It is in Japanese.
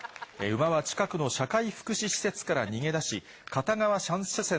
馬は近くの社会福祉施設から逃げ出し片側サンササンの。